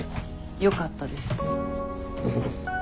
よかったです。